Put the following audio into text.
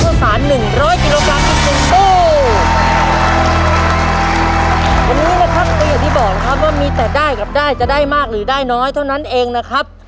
วันนี้นะครับก็อย่างที่บอกนะครับว่ามีแต่ได้กับได้จะได้มากหรือได้น้อยเท่านั้นเองนะครับ